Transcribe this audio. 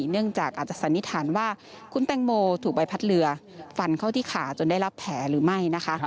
เนื่องจากอาจจะสันนิษฐานว่าคุณแตงโมถูกใบพัดเรือฟันเข้าที่ขาจนได้รับแผลหรือไม่นะคะ